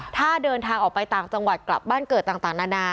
ถ้าเดินทางออกไปต่างจังหวัดกลับบ้านเกิดต่างนานา